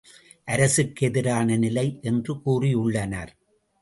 அரசுக்கு எதிரான நிலை என்று கூறியுள்ளனர்.